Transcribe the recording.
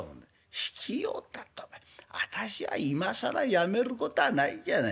「ひきようったってお前あたしは今更やめることはないじゃない。